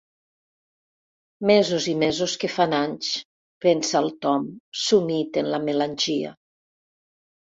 Mesos i mesos que fan anys, pensa el Tom, sumit en la melangia.